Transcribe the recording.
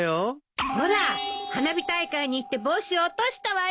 ほら花火大会に行って帽子を落としたわよ。